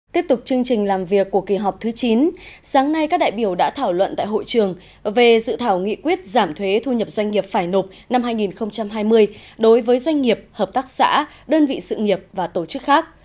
tiếp tục chương trình làm việc của kỳ họp thứ chín sáng nay các đại biểu đã thảo luận tại hội trường về dự thảo nghị quyết giảm thuế thu nhập doanh nghiệp phải nộp năm hai nghìn hai mươi đối với doanh nghiệp hợp tác xã đơn vị sự nghiệp và tổ chức khác